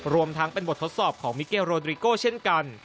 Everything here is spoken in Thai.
รวมทั้งเป็นบททดสอบของมิเกลโรดริโก้เช่นกัน